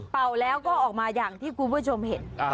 แล้วก็ออกมาอย่างที่คุณผู้ชมเห็น